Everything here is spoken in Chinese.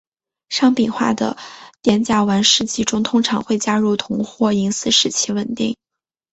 商品化的碘甲烷试剂中通常会加入铜或银丝使其稳定。